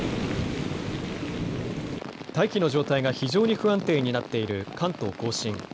大気の状態が非常に不安定になっている関東甲信。